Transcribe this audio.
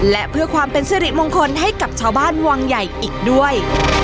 และเพื่อความเป็นสิริมงคลให้กับชาวบ้านวังใหญ่อีกด้วย